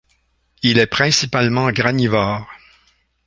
Il est principalement granivore.